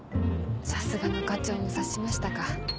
さすがの課長も察しましたか。